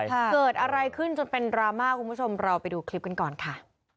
เกิดอะไรขึ้นจนเป็นดราม่าคุณผู้ชมเราไปดูคลิปกันก่อนค่ะ